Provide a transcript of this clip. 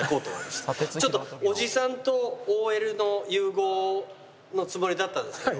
ちょっとおじさんとＯＬの融合のつもりだったんですけど。